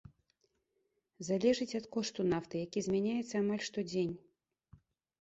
Залежыць ад кошту нафты, які змяняецца амаль штодзень.